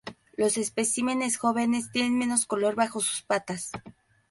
Los especímenes jóvenes tienen menos color bajo sus patas.